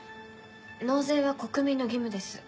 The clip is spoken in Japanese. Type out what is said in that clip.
納税は国民の義務です。